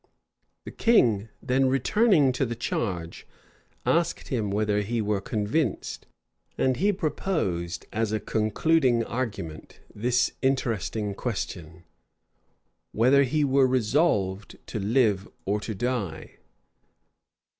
The king, then returning to the charge, asked him whether he were convinced; and he proposed, as a concluding argument, this interesting question: Whether he were resolved to live or to die?